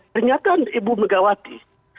ternyata ibu megawati